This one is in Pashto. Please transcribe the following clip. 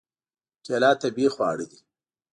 کېله طبیعي خواړه ده.